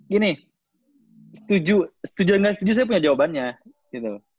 gini setuju setuju atau gak setuju saya punya jawabannya gitu